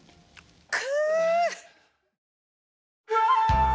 く。